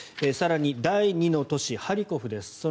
更に第２の都市ハリコフです。